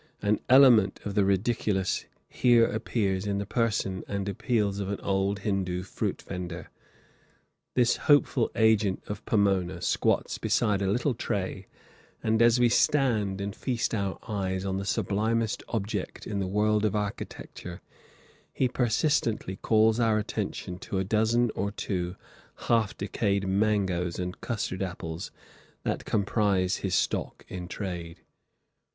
An element of the ridiculous here appears in the person and the appeals of an old Hindoo fruit vender. This hopeful agent of Pomona squats beside a little tray, and, as we stand and feast our eyes on the sublimest object in the world of architecture, he persistently calls our attention to a dozen or two half decayed mangoes and custard apples that comprise his stock in trade.